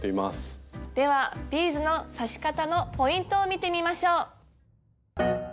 ではビーズの刺し方のポイントを見てみましょう。